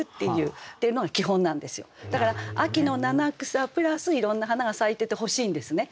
だから秋の七草プラスいろんな花が咲いててほしいんですね。